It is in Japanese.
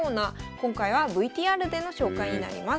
今回はＶＴＲでの紹介になります。